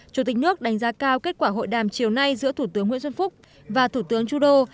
chủ tịch nước đánh giá cao kết quả hội đàm chiều nay giữa thủ tướng nguyễn xuân phúc và thủ tướng trudeau